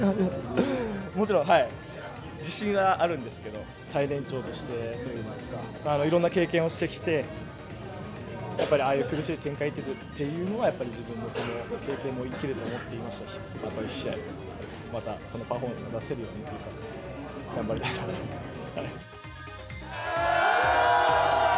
もちろん、はい、自信はあるんですけど、最年長としてといいますか、いろんな経験をしてきて、やっぱりああいう苦しい展開というのは、やっぱり自分の経験も生きると思っていましたし、あと１試合、またそのパフォーマンスが出せるようにというか、頑張りたいと思っています。